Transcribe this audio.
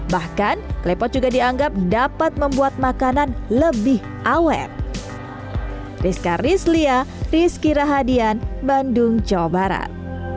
bahkan klepot juga dianggap dapat membuat makanan lebih awet